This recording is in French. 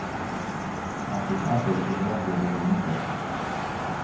En ce sens elle génère des revenus passifs.